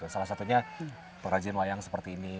salah satunya perajin wayang seperti ini